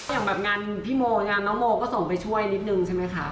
อย่างแบบงานพี่โมงานน้องโมก็ส่งไปช่วยนิดนึงใช่ไหมคะ